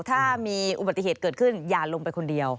ถ้ามีอุบัติเหตุเกิดขึ้นอย่าลงไปคนเดียว